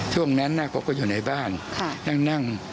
ช่วงนั้นเขาก็อยู่ในบ้านนั่ง